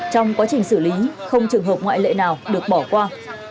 trong quá trình xử lý không trường hợp ngoại lệ nào được bỏ qua